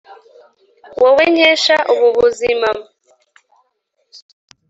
Wowe nkesha ubu buzima